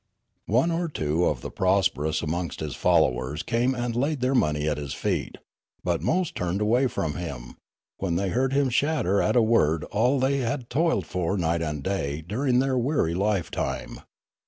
" One or two of the prosperous amongst his followers came and laid their money at his feet; but most turned away from him, when they heard him shatter at a word all they had toiled for night and day during their weary lifetime.